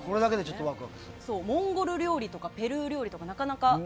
モンゴル料理とかペルー料理とか。